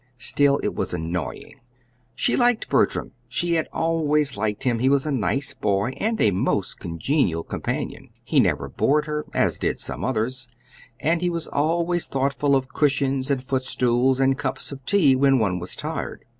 Still, it was annoying. She liked Bertram, she had always liked him. He was a nice boy, and a most congenial companion. He never bored her, as did some others; and he was always thoughtful of cushions and footstools and cups of tea when one was tired.